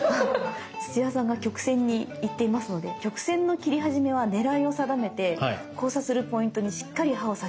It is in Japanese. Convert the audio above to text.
土屋さんが曲線に行っていますので曲線の切り始めは狙いを定めて交差するポイントにしっかり刃を刺し入れて下さい。